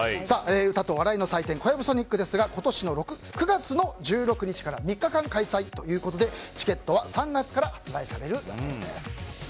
歌と笑いの祭典「ＫＯＹＡＢＵＳＯＮＩＣ」ですが今年の９月の１６日から３日間開催ということでチケットは３月から発売される予定です。